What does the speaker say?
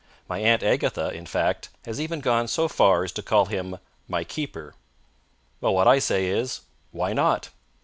My Aunt Agatha, in fact, has even gone so far as to call him my keeper. Well, what I say is: Why not?